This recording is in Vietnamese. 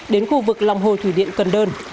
đến khu vực lòng hồ thủy điện cần đơn